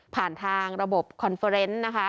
ผ่านทางระบบคอนเฟอร์เนสนะคะ